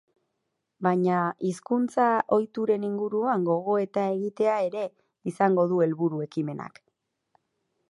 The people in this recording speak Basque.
Baina hizkuntza-ohituren inguruan gogoeta egitea ere izango du helburu ekimenak.